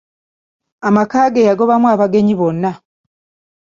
Amaka ge yagobamu abagenyi bonna.